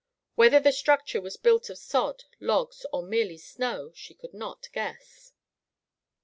Whether the structure was built of sod, logs, or merely of snow, she could not guess.